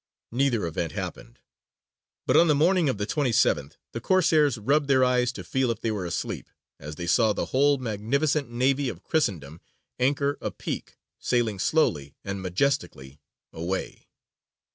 Neither event happened: but on the morning of the 27th the Corsairs rubbed their eyes to feel if they were asleep, as they saw the whole magnificent navy of Christendom, anchor a peak, sailing slowly and majestically _away!